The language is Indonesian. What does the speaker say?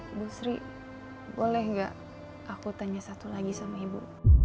ibu sri boleh nggak aku tanya satu lagi sama ibu